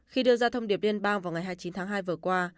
khi đưa ra thông điệp liên bang vào ngày hai mươi chín tháng hai vừa qua